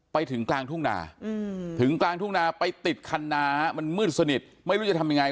ไปถึงกลางทุ่งนาถึงกลางทุ่งนาไปติดคันนามันมืดสนิทไม่รู้จะทำยังไง